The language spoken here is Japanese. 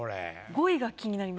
５位が気になります。